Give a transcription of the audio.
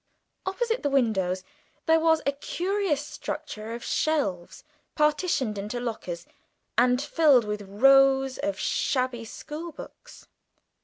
Opposite the windows there was a curious structure of shelves partitioned into lockers, and filled with rows of shabby schoolbooks.